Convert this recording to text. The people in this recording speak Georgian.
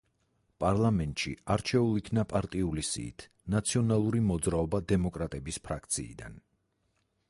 პარლამენტში არჩეულ იქნა პარტიული სიით, ნაციონალური მოძრაობა-დემოკრატების ფრაქციიდან.